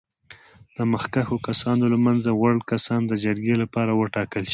د مخکښو کسانو له منځه وړ کسان د جرګې لپاره وټاکل شي.